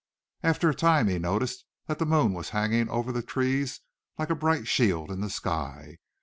After a time he noticed that the moon was hanging over the trees like a bright shield in the sky.